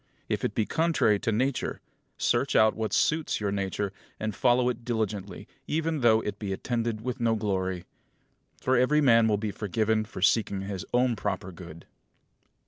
If it be contrary to Nature, search out what suits your nature, and follow it diligently, even though it be attended with no glory; for every man will be forgiven for seeking his own proper good.